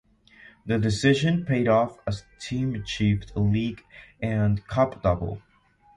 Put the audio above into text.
The decision paid off as the team achieved a league and cup double.